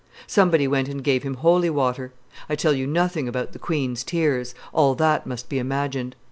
Somebody went and gave him holy water. I tell you nothing about the queen's tears; all that must be imagined.